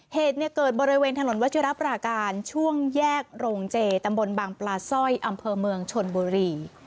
เหตุเนี่ยเกิดบริเวณถนนวัชิรับราการช่วงแยกโรงเจตำบลบางปลาสร้อยอำเภอเมืองชนบุรี